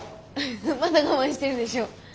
まだ我慢してるでしょ？